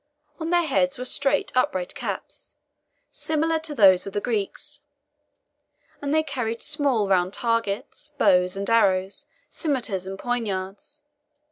On their heads were straight upright caps, similar to those of the Greeks; and they carried small round targets, bows and arrows, scimitars, and poniards.